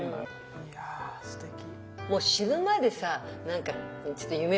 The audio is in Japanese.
いやすてき。